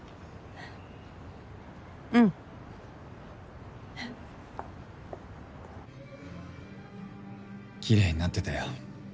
うんキレイになってたよ。